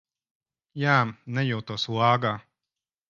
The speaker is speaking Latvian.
Jā, nejūtos lāgā.